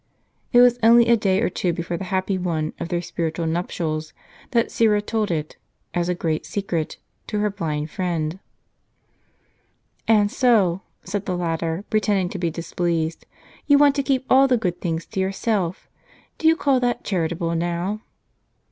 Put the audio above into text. It was only a day or two before the happy one of their spiritual nup tials, that Syra told it, as a great secret, to her blind friend. "And so," said the latter, pretending to be displeased, "you want to keep all the good things to yourself. Do you call that charitable, now